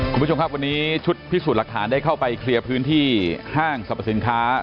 คุณผู้ชมครับวันนี้ชุดพิสูจน์หลักฐานได้เข้าไปเคลียร์พื้นที่ห้างสรรพสินค้า